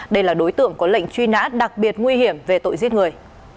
đây là đối tượng có lệnh truy nã đặc biệt nguy hiểm về tội giết người